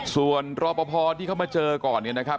ส่วนรอปภที่เขามาเจอก่อนเนี่ยนะครับ